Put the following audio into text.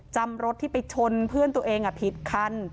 รถที่ไปชนเพื่อนตัวเองผิดคัน